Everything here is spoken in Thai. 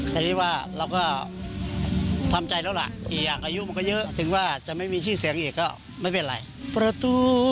แต่ชอบว่าเราก็ทำใจแล้วล่ะกี่อังกฎมันก็เยอะถึงว่าจะไม่มีชื่อเสียงก็ไม่เป็นไร